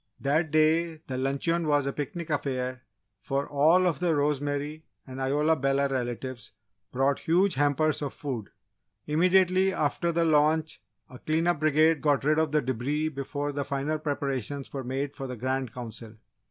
That day the luncheon was a picnic affair, for all of the Rosemary and Isola Bella relatives brought huge hampers of food. Immediately after the lunch a cleanup brigade got rid of the debris before the final preparations were made for the Grand Council.